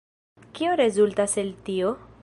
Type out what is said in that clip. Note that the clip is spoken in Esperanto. Kio rezultas el tio?